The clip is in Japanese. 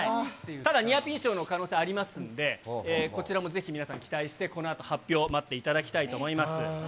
ただニアピン賞の可能性ありますんで、こちらもぜひ、皆さん期待して、このあと、発表待っていただきたいと思います。